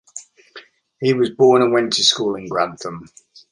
He was born and went to school in Grantham.